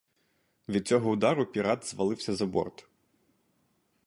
Від цього удару пірат звалився за борт.